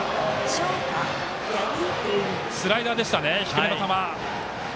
スライダーでしたね低めの球。